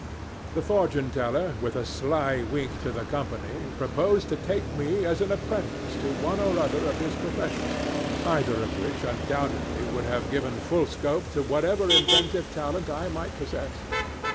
The fortune teller, with a sly wink to the company, proposed to take me as an apprentice to one or other of his professions, either of which undoubtedly would have given full scope to whatever inventive talent I might possess.